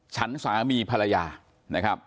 ฉันสามีภรรยานะครับ